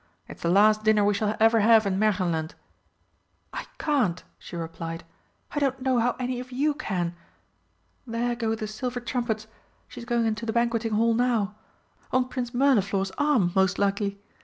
"It's the last dinner we shall ever have in Märchenland." "I can't," she replied, "I don't know how any of you can.... There go the silver trumpets! She's going into the Banqueting Hall now. On Prince Mirliflor's arm, most likely!